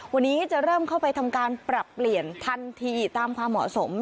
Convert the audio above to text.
วันนี้จะเริ่มเข้าไปทำการปรับเปลี่ยนทันทีตามความเหมาะสม